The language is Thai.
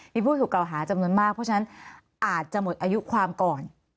มีผู้ถูกเก่าหาจำนวนมากเพราะฉะนั้นอาจจะหมดอายุความก่อน